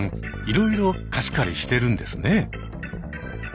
いろいろ貸し借りしてるんですね。